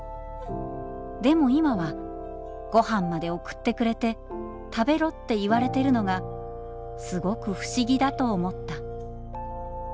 でも今はごはんまで送ってくれて食べろって言われてるのがすごく不思議だと思った」。